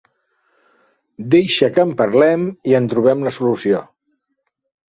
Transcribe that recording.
Deixa que en parlem i en trobem la solució.